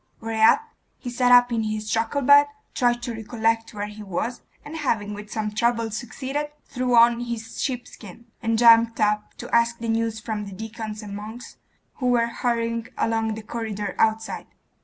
Whereat he sat up in his truckle bed, tried to recollect where he was, and having with some trouble succeeded, threw on his sheepskin, and jumped up to ask the news from the deacons and monks who were hurrying along the corridor outside....